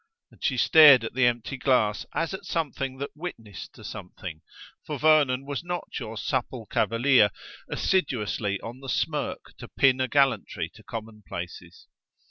and she stared at the empty glass, as at something that witnessed to something: for Vernon was not your supple cavalier assiduously on the smirk to pin a gallantry to commonplaces.